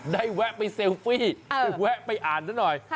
แวะไปเซลฟี่แวะไปอ่านซะหน่อย